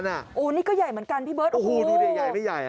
โอ้โฮนี่ก็ใหญ่เหมือนกันพี่เบิ้ดโอ้โฮดูดิใหญ่ไม่ใหญ่